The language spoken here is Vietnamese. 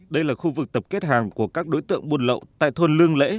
đây là khu vực tập kết hàng của các đối tượng buôn lậu tại thôn lương lễ